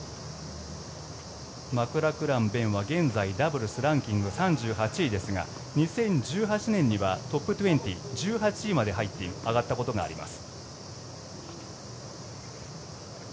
マクラクラン勉は現在、ダブルスランキング３８位ですが２０１８年にはトップ２０１８位まで上がったことがあります。